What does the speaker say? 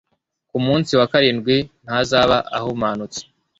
ku munsi wa karindwi ntazaba ahumanutse